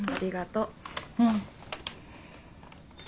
うん。